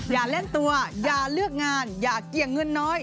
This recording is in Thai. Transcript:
อย่าเล่นตัวอย่าเลือกงานอย่าเกี่ยงเงินน้อย